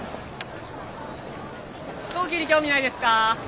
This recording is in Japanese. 飛行機に興味ないですか？